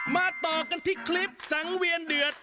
ต่อกันที่คลิปสังเวียนเดือด